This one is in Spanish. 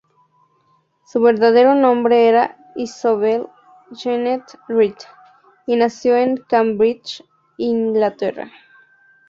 Su verdadero nombre era Isobel Jeannette Reed, y nació en Cambridge, Inglaterra.